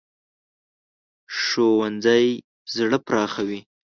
ښوونځی زړه پراخوي